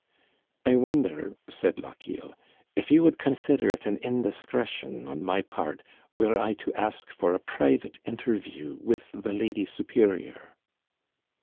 " I wonder," said Lochiel, " if you would consider it an indiscretion on my part were I to ask for a private interview with the lady superior